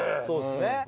そうですね。